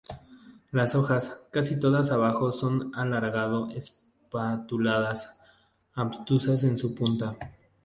Las hojas, casi todas abajo, son alargado-espatuladas, obtusas en su punta.